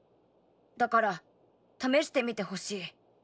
だから試してみてほしい。